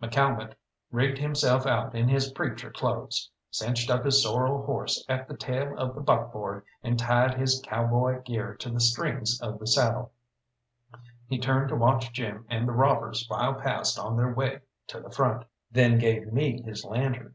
McCalmont rigged himself out in his preacher clothes, cinched up his sorrel horse at the tail of the buckboard, and tied his cowboy gear to the strings of the saddle. He turned to watch Jim and the robbers file past on their way to the front, then gave me his lantern.